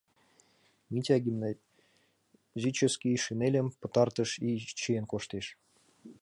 Митя гимназический шинельым пытартыш ий чиен коштеш.